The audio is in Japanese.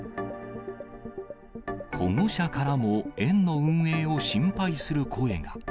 保護者からも、園の運営を心配する声が。